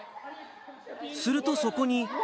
するとそこに。